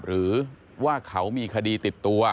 หรือว่าเขามีคดีติดตัว